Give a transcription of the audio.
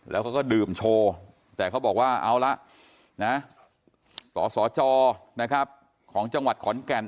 แล้วเขาก็ดื่มโชว์แต่เขาบอกว่าเอาละนะกศจนะครับของจังหวัดขอนแก่น